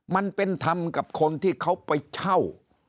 มันเป็นธรรมกับคนที่เขาไปเช่า